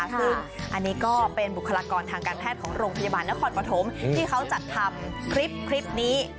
ซึ่งอันนี้ก็เป็นบุคลากรทางการแพทย์ของโรงพยาบาลนครปฐมที่เขาจัดทำคลิปนี้